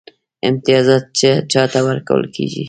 امتیازات چا ته ورکول کیږي؟